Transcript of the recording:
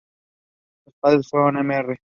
Sus padres fueron Mr.